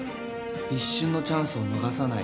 「一瞬のチャンスを逃さない」